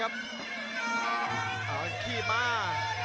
อ่ะอ่ะขี้ม่า